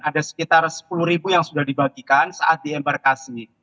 ada sekitar sepuluh ribu yang sudah dibagikan saat diembarkasi